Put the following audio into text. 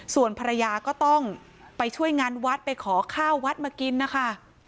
ส่วนภรรยาก็ต้องไปช่วยงานวัดไปขอข้าววัดมากินนะคะ